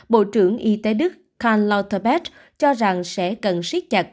bộ trưởng y tế đức karl lauterbach cho rằng sẽ cần siết chặt các biến thể tăng hình này